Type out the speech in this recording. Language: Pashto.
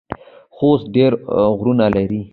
خوست ډیر غرونه لري